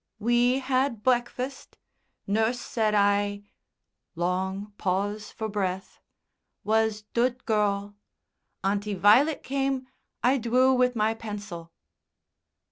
"We had bweakfast nurse said I (long pause for breath) was dood girl; Auntie Vi'let came; I dwew with my pencil."